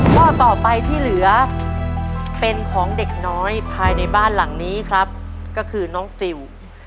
ข้อต่อไปที่เหลือเป็นของเด็กน้อยภายในบ้านหลังนี้ครับก็คือน้องฟิล